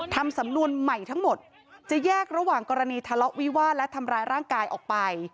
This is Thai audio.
ทำสำนวนใหม่ทั้งหมดจะแยกระหว่างกรณีทะเลาะวิวาสและทำร้ายร่างกายออกไป